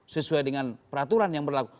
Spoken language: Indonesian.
sesuai dengan peraturan yang berlaku